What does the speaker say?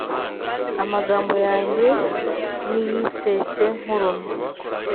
amagambo yanjye niyisese nk’urume.